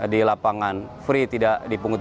di lapangan free tidak dipungut